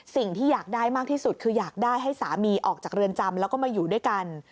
สิ่งที่อยากได้มากที่สุดคืออยากได้ให้สามีออกจากเรือนจำแล้วก็มาอยู่ด้วยกัน